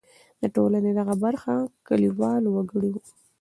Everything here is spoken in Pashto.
د ټولنې دغه برخه کلیوال وګړي وو.